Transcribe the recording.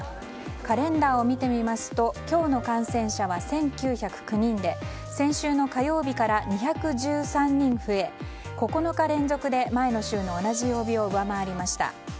カレンダーを見てみますと今日の感染者は１９０９人で先週の火曜日から２１３人増え、９日連続で前の週の同じ曜日を上回りました。